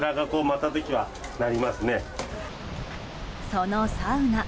そのサウナ。